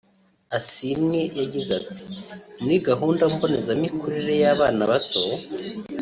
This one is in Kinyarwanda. Asiimwe yagize ati “Muri gahunda mbonezamikurire y’abana bato